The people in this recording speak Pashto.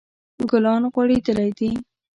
ګلان غوړیدلی دي